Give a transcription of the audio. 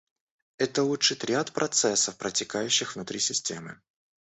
Это улучшит ряд процессов, протекающих внутри системы